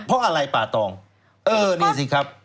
เพราะอะไรป่าตองเออนี่สิครับ